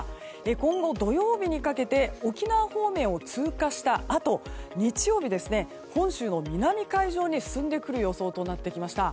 今後、土曜日にかけて沖縄方面を通過したあと日曜日、本州の南海上に進んでくる予想になってきました。